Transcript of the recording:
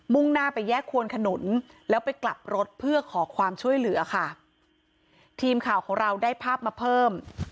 ่งหน้าไปแยกควนขนุนแล้วไปกลับรถเพื่อขอความช่วยเหลือค่ะทีมข่าวของเราได้ภาพมาเพิ่ม